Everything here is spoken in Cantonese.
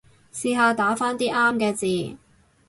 試下打返啲啱嘅字